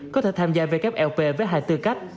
có thể tham gia wlp với hai tư cách